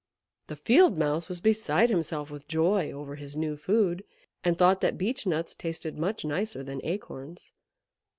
The Field Mouse was beside himself with joy over his new food, and thought that Beech nuts tasted much nicer than acorns.